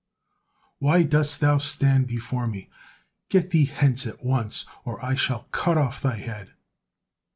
Why dost thou stand before me? Get thee hence at once, or I shall cut off thy head."